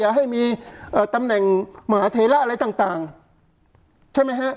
อย่าให้มีตำแหน่งมหาเทระอะไรต่างใช่ไหมฮะ